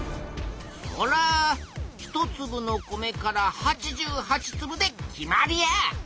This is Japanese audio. そら「１つぶの米から８８つぶ」で決まりや！